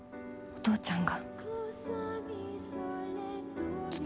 お父ちゃん！